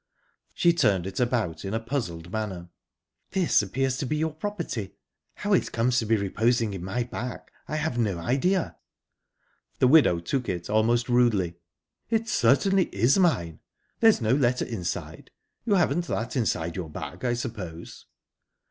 She turned it about in a puzzled manner. "This appears to be your property. How it comes to be reposing in my bag I have no idea." The widow took it almost rudely. "It certainly is mine. There's no letter inside you haven't that inside your bag, I suppose?"